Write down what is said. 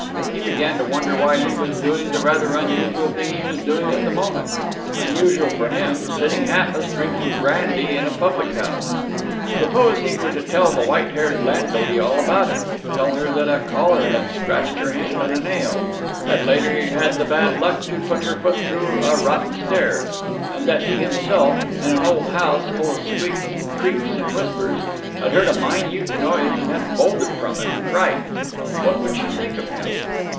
He began to wonder why he was doing the rather unusual thing he was doing at that moment, unusual for him sitting hatless, drinking brandy, in a public house. Suppose he were to tell the white haired landlady all about it to tell her that a caller had scratched her hand on a nail, had later had the bad luck to put her foot through a rotten stair, and that he himself, in an old house full of squeaks and creaks and whispers, had heard a minute noise and had bolted from it in fright what would she think of him?